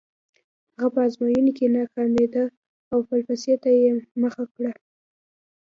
هغه په ازموینو کې ناکامېده او فلسفې ته یې مخه کړه